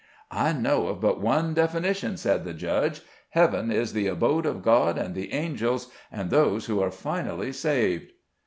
"I know of but one definition," said the judge, "heaven is the abode of God and the angels, and of those who are finally saved."